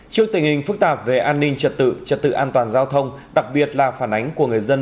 trước tình hình phức tạp về an ninh trật tự trật tự an toàn giao thông đặc biệt là phản ánh của người dân